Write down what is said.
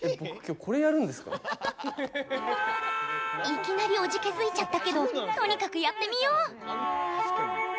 いきなりおじけづいちゃったけどとにかくやってみよう！